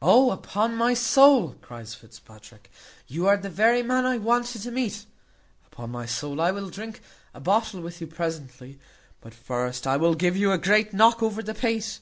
"O! upon my soul," cries Fitzpatrick, "you are the very man I wanted to meet. Upon my soul I will drink a bottle with you presently; but first I will give you a great knock over the pate.